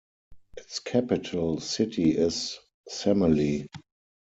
Its capital city is Semily.